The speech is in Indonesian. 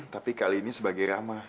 tapi kali ini sebagai ramah